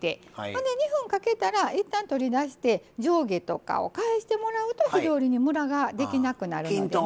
ほんで２分かけたらいったん取り出して上下とかを返してもらうと火通りにムラができなくなるのでね。